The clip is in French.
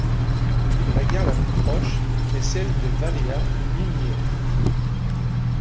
La gare la plus proche est celle de Valea lui Mihai.